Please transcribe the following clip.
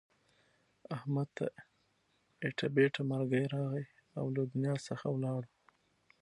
احمد ته ایټه بیټه مرگی راغی او له دنیا څخه ولاړو.